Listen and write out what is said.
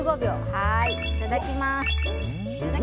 いただきます。